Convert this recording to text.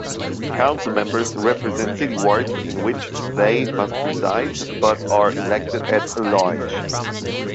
Council members represent city wards in which they must reside, but are elected at-large.